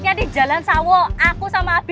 yang biasanya untuk maga cope